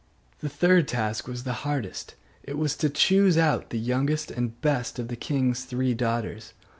The third task was the hardest. It was to choose out the youngest and the best of the king's three daughters.